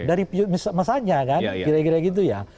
dari masanya kan kira kira gitu ya